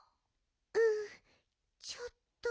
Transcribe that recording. うんちょっと。